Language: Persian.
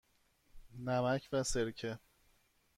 نمک و سرکه.